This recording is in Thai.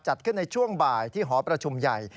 จัดขึ้นในช่วงบ่ายที่หอประชุมใหญ่